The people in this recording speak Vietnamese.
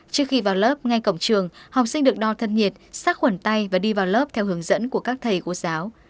trước khi vào lớp ngay cổng trường học sinh được đo thân nhiệt sát khuẩn tay và đi vào lớp theo hướng dẫn của các thầy cô giáo